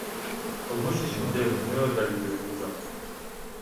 Кылмыш ишинде күнөө далилденген жок.